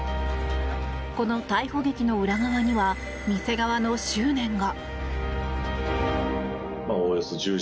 この逮捕劇の裏側には店側の執念が。